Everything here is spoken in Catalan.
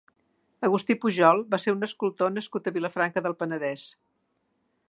Agustí Pujol va ser un escultor nascut a Vilafranca del Penedès.